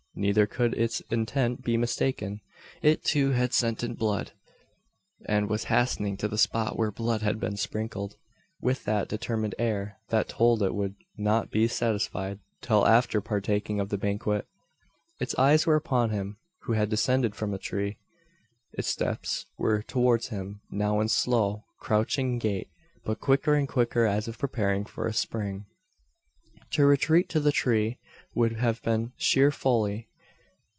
Neither could its intent be mistaken. It, too, had scented blood, and was hastening to the spot where blood had been sprinkled, with that determined air that told it would not be satisfied till after partaking of the banquet. Its eyes were upon him, who had descended from the tree its steps were towards him now in slow, crouching gait; but quicker and quicker, as if preparing for a spring. To retreat to the tree would have been sheer folly.